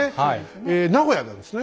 え名古屋なんですね？